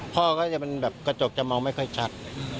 พ่อก็จะเป็นแบบกระจกจะมองไม่ค่อยชัด